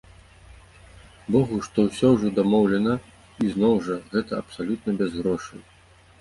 Богу, што ўсё ўжо дамоўлена, і зноў жа, гэта абсалютна без грошай!